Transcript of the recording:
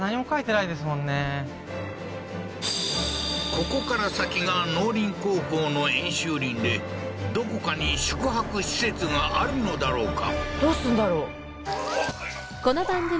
ここから先が農林高校の演習林でどこかに宿泊施設があるのだろうか？